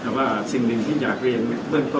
แต่ว่าสิ่งหนึ่งที่จะเรียกเพิ่มต้น